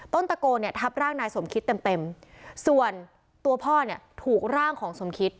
ตะโกนเนี่ยทับร่างนายสมคิดเต็มเต็มส่วนตัวพ่อเนี่ยถูกร่างของสมคิต